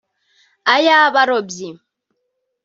ay'abarobyi